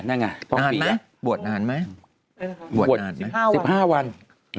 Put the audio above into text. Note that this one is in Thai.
นานไหมบวชนานไหมบวชนานไหมสิบห้าวัน